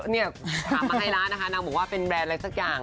เนี่ยถามมาให้ร้านนะคะนางบอกว่าเป็นแบรนด์อะไรสักอย่าง